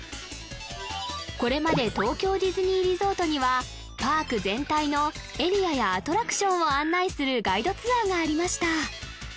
これまで東京ディズニーリゾートにはパーク全体のエリアやアトラクションを案内するガイドツアーがありました